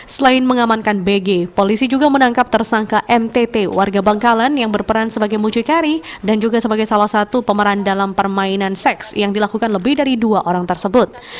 selain mengamankan bg polisi juga menangkap tersangka mtt warga bangkalan yang berperan sebagai mucikari dan juga sebagai salah satu pemeran dalam permainan seks yang dilakukan lebih dari dua orang tersebut